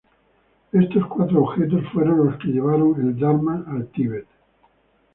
Estos cuatro objetos fueron los que llevaron el "dharma" al Tíbet.